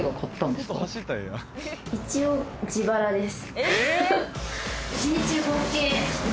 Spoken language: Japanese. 一応自腹です